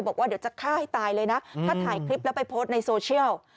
บอกว่าเดี๋ยวจะฆ่าให้ตายเลยนะถ้าถ่ายคลิปแล้วไปโพสต์ในโซเชียล